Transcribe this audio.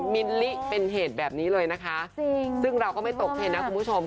มิลลิเป็นเหตุแบบนี้เลยนะคะซึ่งเราก็ไม่ตกเทรนนะคุณผู้ชม